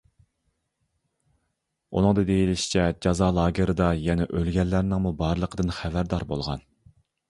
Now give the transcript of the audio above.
ئۇنىڭدا دېيىلىشىچە جازا لاگېرىدا يەنە ئۆلگەنلەرنىڭمۇ بارلىقىدىن خەۋەردار بولغان.